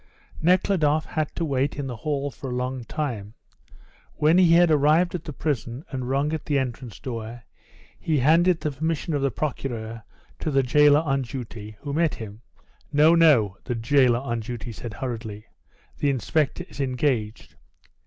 Nekhludoff had to wait in the hall for a long time. When he had arrived at the prison and rung at the entrance door, he handed the permission of the Procureur to the jailer on duty who met him. "No, no," the jailer on duty said hurriedly, "the inspector is engaged."